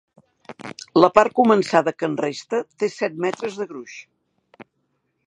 La part començada que en resta té set metres de gruix.